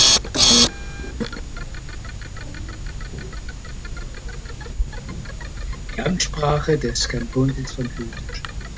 Die Amtssprache des Kantons ist Französisch.